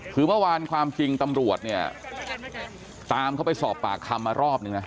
คือเมื่อวานความจริงตำรวจเนี่ยตามเขาไปสอบปากคำมารอบนึงนะ